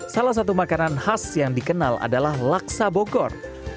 salah satu makanan khas yang dikenal adalah laksa bogor